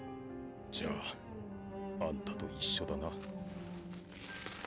じゃああんたと一緒だな。